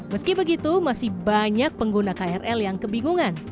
meski begitu masih banyak pengguna krl yang kebingungan